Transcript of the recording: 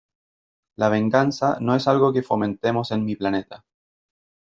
La venganza no es algo que fomentemos en mi planeta .